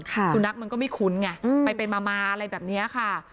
สุนัขมันก็ไม่คุ้นไงไปมาอะไรแบบนี้ค่ะ